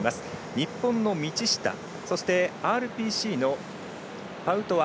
日本の道下そして、ＲＰＣのパウトワ。